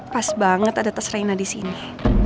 pas banget ada tas reina disini